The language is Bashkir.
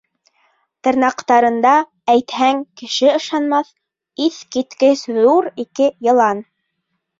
Тырнаҡтарында, әйтһәң, кеше ышанмаҫ, иҫ киткес ҙур ике йылан.